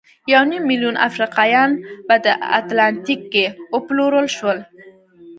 یو نیم میلیون افریقایان په اتلانتیک کې وپلورل شول.